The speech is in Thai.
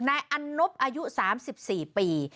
ในอนุปอายุ๓๔ปี